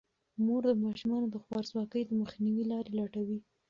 مور د ماشومانو د خوارځواکۍ د مخنیوي لارې لټوي.